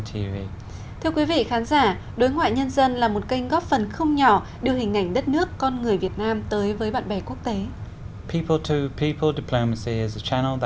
thưa quý vị khán giả đối ngoại nhân dân là một kênh góp phần không nhỏ đưa hình ảnh đất nước con người việt nam tới với bạn bè quốc tế